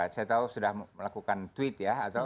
saya tahu sudah melakukan tweet ya